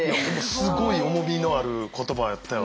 すごい重みのある言葉やったよな。